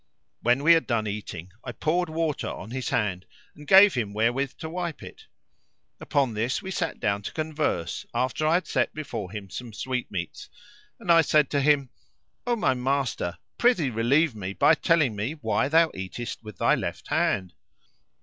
When we had done eating, I poured water on his hand and gave him wherewith to wipe it. Upon this we sat down to converse after I had set before him some sweetmeats; and I said to him, "O my master, prithee relieve me by telling me why thou eatest with thy left hand?